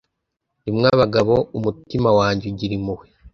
rimwe abagabo. umutima wanjye ugira impuhwe